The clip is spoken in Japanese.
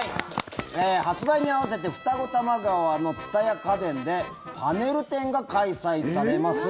発売に合わせて二子玉川の蔦屋家電でパネル展が開催されます。